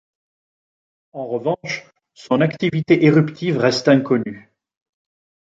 En revanche, son activité éruptive reste inconnue.